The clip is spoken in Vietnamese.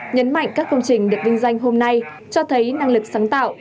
nhấn mạnh các công trình được vinh danh hôm nay cho thấy năng lực sáng tạo